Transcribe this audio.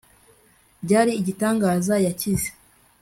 Byari igitangaza yakize